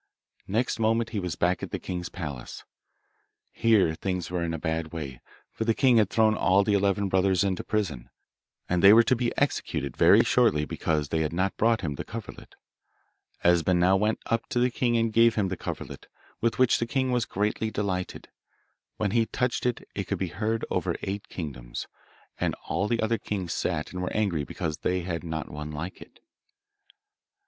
Next moment he was back at the king's palace. Here things were in a bad way, for the king had thrown all the eleven brothers into prison, and they were to be executed very shortly because they had not brought him the coverlet. Esben now went up to the king and gave him the coverlet, with which the king was greatly delighted. When he touched it it could be heard over eight kingdoms, and all the other kings sat and were angry because they had not one like it.